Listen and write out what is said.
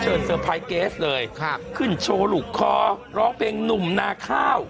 เซอร์ไพรสเกสเลยขึ้นโชว์ลูกคอร้องเพลงหนุ่มนาข้าว